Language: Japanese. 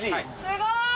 すごーい！